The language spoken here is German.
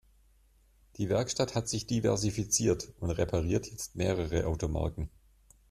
Die Werkstatt hat sich diversifiziert und repariert jetzt mehrere Automarken.